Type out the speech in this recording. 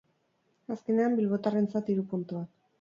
Azkenean, bilbotarrentzat hiru puntuak.